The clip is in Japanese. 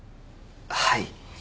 はい。